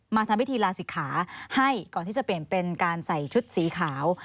ทำพิธีลาศิกขาให้ก่อนที่จะเปลี่ยนเป็นการใส่ชุดสีขาว